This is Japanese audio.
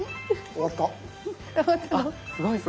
終わったの？